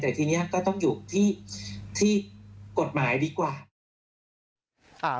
แต่ทีนี้ก็ต้องอยู่ที่กฎหมายดีกว่า